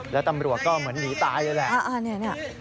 แล้วตำรวจก็เหมือนหนีตายเลยแหละ